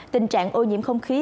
tình trạng ô nhiễm không khí